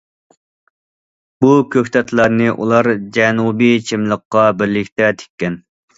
بۇ كۆكتاتلارنى ئۇلار جەنۇبىي چىملىققا بىرلىكتە تىككەن.